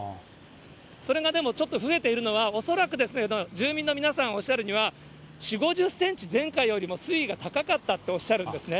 それがでも、ちょっと増えているのは、恐らくですけれども、住民の皆さんがおっしゃるには、４、５０センチ、前回よりも水位が高かったっておっしゃるんですね。